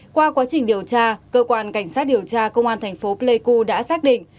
qua quá trình điều tra cơ quan cảnh sát điều tra công an thành phố pleiku đã xác định